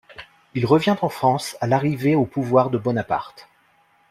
Il revient en France à l'arrivée au pouvoir de Bonaparte.